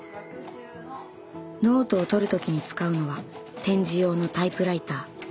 ノートをとる時に使うのは点字用のタイプライター。